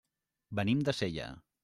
Venim de Sella.